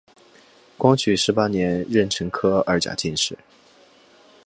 光绪十八年壬辰科二甲进士。